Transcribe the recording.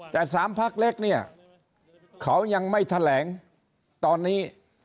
แต่๓พักเล็กเนี่ยเขายังไม่แถลงตอนนี้